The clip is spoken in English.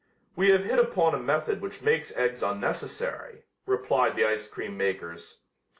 "We have hit upon a method which makes eggs unnecessary," replied the ice cream makers.